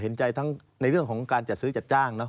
ในเรื่องของการจัดซื้อจัดจ้างเนอะ